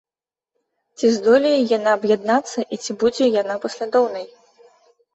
Ці здолее яна аб'яднацца і ці будзе яна паслядоўнай?